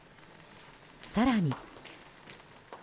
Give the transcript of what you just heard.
更に。